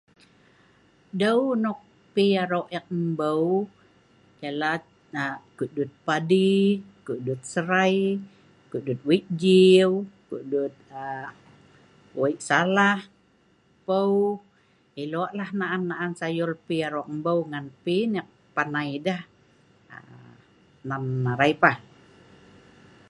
Deu nok pi aro ek mbeu yah nah kokdut padi, kokdut serai, kokdut wei jiu, kokdut wei salah, peuu , lok naan-naan sayur aro ek mbeu, pi neek panai deh nen arai pah.